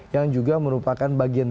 yang juga merupakan bagian